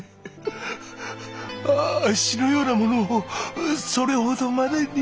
あっしのような者をそれほどまでに。